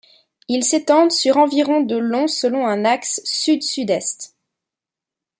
Ils s'étendent sur environ de long selon un axe sud-sud-est.